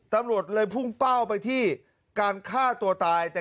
ตำรวจเลยพุ่งเป้าไปที่การฆ่าตัวตาย